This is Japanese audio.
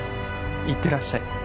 行ってらっしゃい。